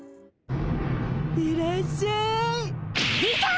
いらっしゃい。出た！